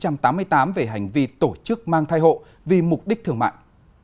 phạm thị kim dung sinh năm một nghìn chín trăm tám mươi tám về hành vi tổ chức mang thai hộ vì mục đích thương mạng